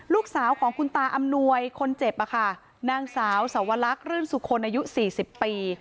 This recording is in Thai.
ลูกสาวของคุณตาอำนวยคนเจ็บอ่ะค่ะนางสาวสวรรลักษณ์รื่นสุขคนอายุสี่สิบปี